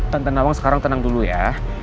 tante nawang sekarang tenang dulu ya